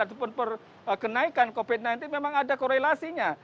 ataupun perkenaikan covid sembilan belas memang ada korelasinya